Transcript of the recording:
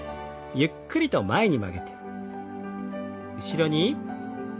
ゆっくりと前に曲げて。